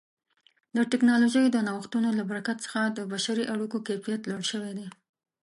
د ټکنالوژۍ د نوښتونو له برکت څخه د بشري اړیکو کیفیت لوړ شوی دی.